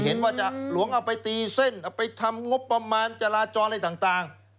เห็นว่าจะหลวงเอาไปตีเส้นเอาไปทำงบประมาณจราจรอะไรต่าง